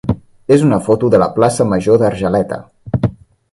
és una foto de la plaça major d'Argeleta.